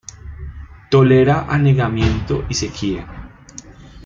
Tolera anegamiento y sequía.